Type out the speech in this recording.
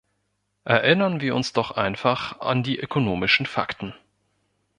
Erinnern wir uns doch einfach an die ökonomischen Fakten.